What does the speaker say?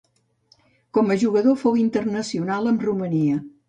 Com a jugador fou internacional amb Romania.